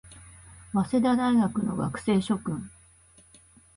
早稲田大学の学生諸君